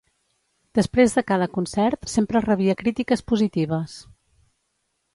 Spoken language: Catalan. Després de cada concert sempre rebia crítiques positives.